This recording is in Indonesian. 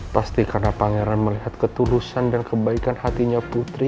pasti karena pangeran melihat ketulusan dan kebaikan hatinya putri